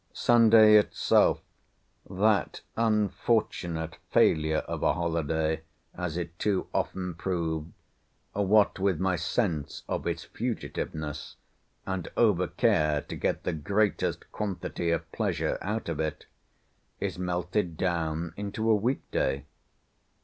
Sunday itself—that unfortunate failure of a holyday as it too often proved, what with my sense of its fugitiveness, and over care to get the greatest quantity of pleasure out of it—is melted down into a week day.